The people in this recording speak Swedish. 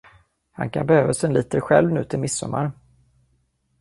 Han kan behöva sin liter själv nu till midsommar.